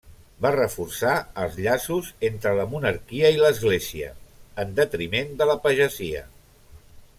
Va reforçar els llaços entre la monarquia i l'església, en detriment de la pagesia.